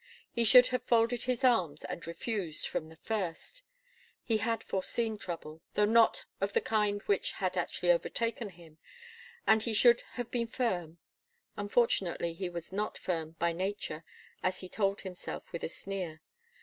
He should have folded his arms and refused, from the first. He had foreseen trouble, though not of the kind which had actually overtaken him, and he should have been firm. Unfortunately, he was not firm, by nature, as he told himself, with a sneer.